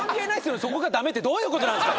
でそこがダメってどういうことなんですか？